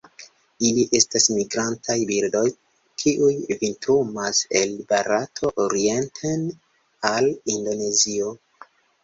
Ili estas migrantaj birdoj, kiuj vintrumas el Barato orienten al Indonezio.